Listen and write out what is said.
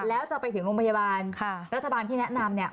แล้วจะไปถึงโรงพยาบาลรัฐบาลที่แนะนำเนี่ย